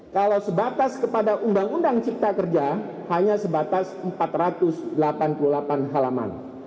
kalau sebatas kepada undang undang cipta kerja hanya sebatas empat ratus delapan puluh delapan halaman